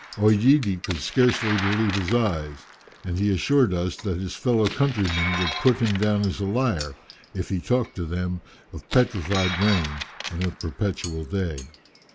OEdidi could scarcely believe his eyes, and he assured us that his fellow countrymen would put him down as a liar, if he talked to them of petrified rain, and of perpetual day."